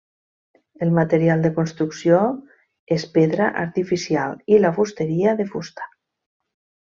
El material de construcció és pedra artificial i la fusteria de fusta.